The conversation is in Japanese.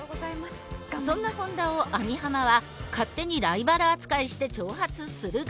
そんな本田を網浜は勝手にライバル扱いして挑発するが。